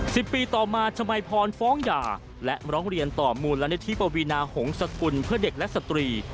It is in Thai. สิบปีต่อมาชมัยพรฟ้องหย่าและร้องเรียนต่อมูลนิธิปวีนาหงษกุลเพื่อเด็กและสตรี